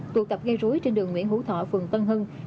tụ tập gây rối trên đường nguyễn hữu thọ phường tân hưng